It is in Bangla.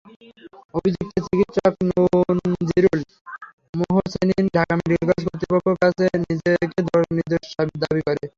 অভিযুক্ত চিকিৎসক নূনযীরুল মুহসেনীন ঢাকা মেডিকেল কলেজ কর্তৃপক্ষের কাছে নিজেকে নির্দোষ দাবি করেন।